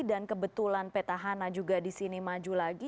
dan kebetulan peta hana juga disini maju lagi